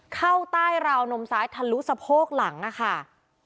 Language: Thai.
เข้าใต้ราวนมซ้ายทะลุสะโพกหลังค่ะ